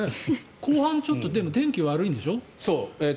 後半ちょっと天気が悪いんでしょ？